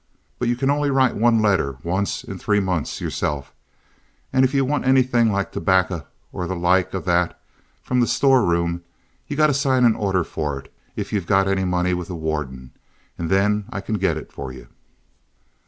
But you kin only write one letter once in three months yourself, an' if you want anything like tobaccer or the like o' that, from the store room, you gotta sign an order for it, if you got any money with the warden, an' then I can git it for you."